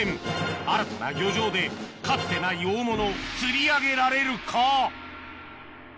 新たな漁場でかつてない大物を釣り上げられるか？